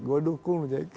gua dukung jack